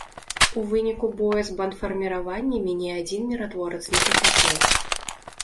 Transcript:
У выніку бою з бандфарміраваннямі ні адзін міратворац не пацярпеў.